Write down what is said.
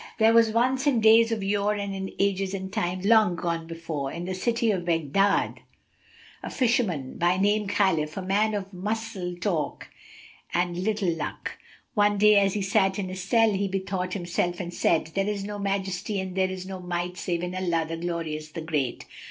There was once, in days of yore and in ages and times long gone before, in the city of Baghdad, a fisherman, by name Khalíf, a man of muckle talk and little luck. One day, as he sat in his cell,[FN#263] he bethought himself and said, "There is no Majesty and there is no Might save in Allah, the Glorious, the Great!